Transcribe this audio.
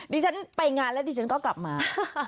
ดิฉันไปงานแล้วดิฉันก็กลับมา